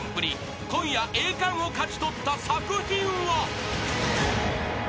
［今夜栄冠を勝ち取った作品は］